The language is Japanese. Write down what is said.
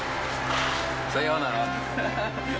さようなら。